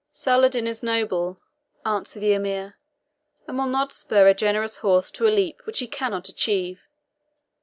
"Saladin is noble," answered the Emir, "and will not spur a generous horse to a leap which he cannot achieve.